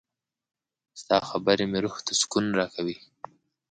• ستا خبرې مې روح ته سکون راکوي.